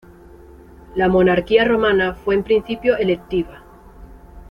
La monarquía romana fue en principio electiva.